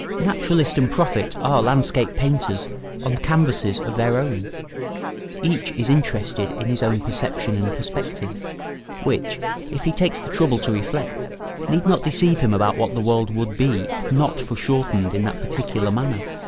Naturalist and prophet are landscape painters on canvases of their own; each is interested in his own perception and perspective, which, if he takes the trouble to reflect, need not deceive him about what the world would be if not foreshortened in that particular manner.